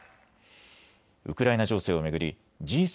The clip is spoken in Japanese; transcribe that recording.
ウクライナ情勢を巡りＧ７